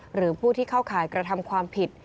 หรือผู้ที่เข้าข่ายกระทำความผิด